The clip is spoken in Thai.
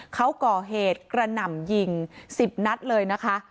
เขาก่อเหตุกระหน่ำยิง๑๐นัดเลยนะคะ